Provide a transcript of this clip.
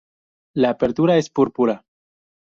La apertura es púrpura.